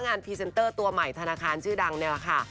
งานพอนไลย์ตัวใหม่ทะนาคารชื่อดังเนี่ยแหละค่ะ